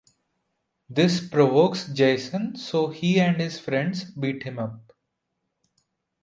This provokes Jaison so he and his friends beat him up.